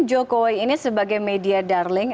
jokowi ini sebagai media darling